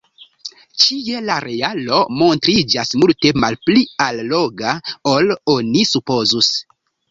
Ĉie la realo montriĝas multe malpli alloga, ol oni supozus.